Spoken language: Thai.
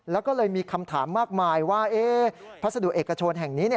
แล้วก็เลยมีคำถามมากมายว่าพัสดุเอกชนแห่งนี้